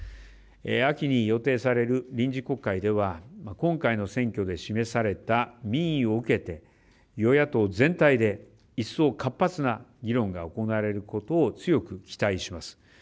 秋に予定される臨時国会では今回の選挙で示された民意を受けて与野党全体で一層活発な議論が行われることを強く期待します。